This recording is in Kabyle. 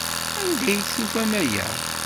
Anda ay d-tufam aya?